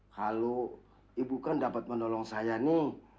kalau ibu kan dapat menolong saya nih